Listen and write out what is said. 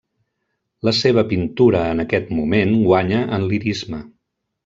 La seva pintura en aquest moment guanya en lirisme.